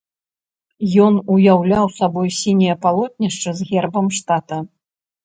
Ён уяўляў сабой сіняе палотнішча з гербам штата.